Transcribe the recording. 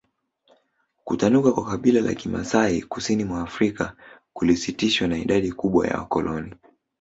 Kutanuka kwa kabila la Kimasai kusini mwa Afrika kulisitishwa na idadi kubwa ya wakoloni